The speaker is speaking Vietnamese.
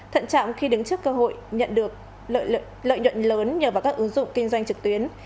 thận trọng khi đứng trước cơ hội nhận được lợi nhuận lớn nhờ vào các ứng dụng kinh doanh trực tuyến